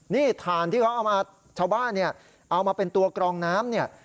นี่ถ่านที่เขาเอามาชาวบ้านเนี่ยเอามาเป็นตัวกรองน้ำเนี่ย